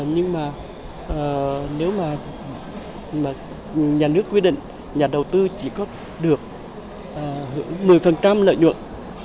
nhưng mà nếu mà nhà nước quyết định nhà đầu tư chỉ có được một mươi lợi nhuận